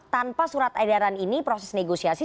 tanpa surat edaran ini proses negosiasi